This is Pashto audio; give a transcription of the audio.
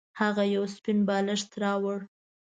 هغه یو سپین بالښت راوړ.